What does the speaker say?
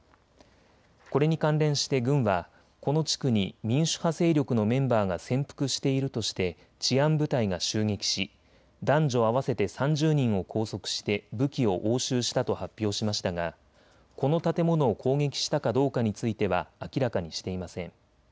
これに関連して軍はこの地区に民主派勢力のメンバーが潜伏しているとして治安部隊が襲撃し男女合わせて３０人を拘束して武器を押収したと発表しましたがこの建物を攻撃したかどうかについては明らかにしていません。